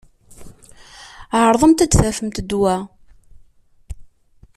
Ɛeṛḍemt ad tafemt ddwa.